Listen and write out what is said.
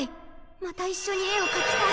またいっしょに絵を描きたい。